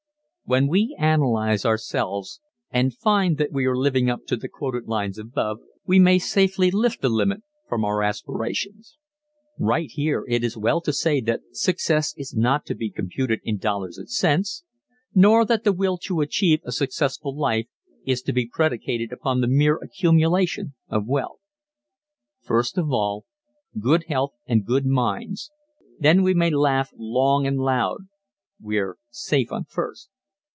When we can analyze ourselves and find that we are living up to the quoted lines above we may safely lift the limit from our aspirations. Right here it is well to say that success is not to be computed in dollars and cents, nor that the will to achieve a successful life is to be predicated upon the mere accumulation of wealth. First of all, good health and good minds then we may laugh loud and long we're safe on "first."